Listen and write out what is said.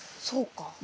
そうか。